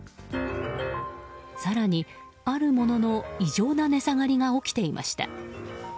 更に、あるものの異常な値下がりが起きていました。